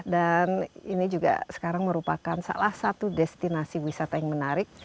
dan ini juga sekarang merupakan salah satu destinasi wisata yang menarik